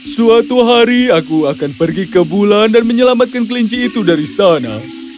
suatu hari aku akan pergi ke bulan dan menyelamatkan kelinci itu dari sana